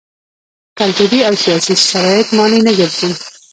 کلتوري او سیاسي شرایط مانع نه ګرځي.